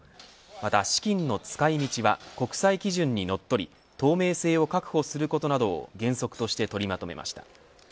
また資金の使い道は国産基準に則り透明性を確保することなどを原則として取りまとめました。